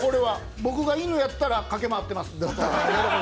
僕が犬やったら駆け回ってます。